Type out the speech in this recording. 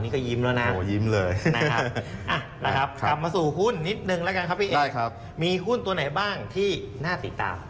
ครับโหยิ้มเลยอ่ะแล้วครับกลับมาสู่หุ้นนิดนึงแล้วกันครับพี่เอกมีหุ้นตัวไหนบ้างที่น่าติดตาม